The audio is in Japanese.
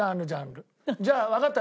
じゃあわかった。